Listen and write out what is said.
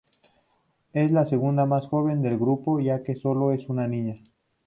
Es la segunda más joven del grupo ya que solo es una niña.